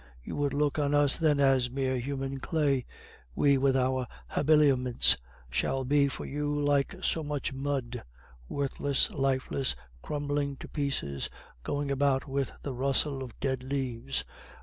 You would look on us then as mere human clay; we with our habiliments shall be for you like so much mud worthless, lifeless, crumbling to pieces, going about with the rustle of dead leaves.